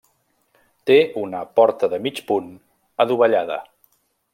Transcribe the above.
Té una porta de mig punt adovellada.